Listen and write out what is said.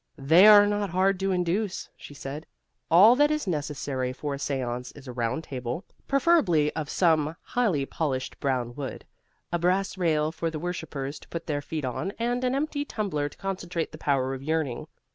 "They are not hard to induce," she said. "All that is necessary for a seance is a round table, preferably of some highly polished brown wood, a brass rail for the worshipers to put their feet on, and an empty tumbler to concentrate the power of yearning.